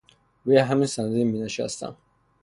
روی همین صندلی می نشستم.